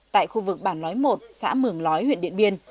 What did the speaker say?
tại khu vực bản lói một xã mường lói huyện điện biên